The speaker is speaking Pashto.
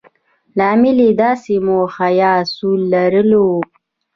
لامل يې داسې موخه يا اصول لرل وي.